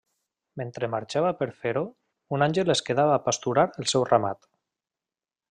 Mentre marxava per fer-ho, un àngel es quedà a pasturar el seu ramat.